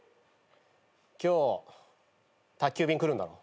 今日宅急便来るんだろ？